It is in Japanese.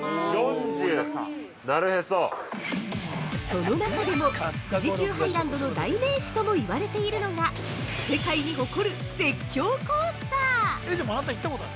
◆その中でも富士急ハイランドの代名詞とも言われているのが世界に誇る絶叫コースター！